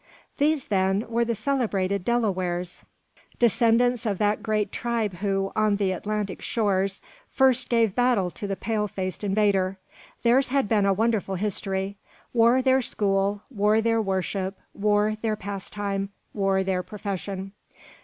These, then, were the celebrated Delawares, descendants of that great tribe who, on the Atlantic shores, first gave battle to the pale faced invader. Theirs had been a wonderful history. War their school, war their worship, war their pastime, war their profession.